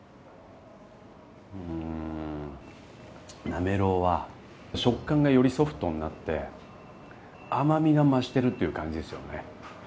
なめろうは食感がよりソフトになって、甘みが増してるって感じですよね。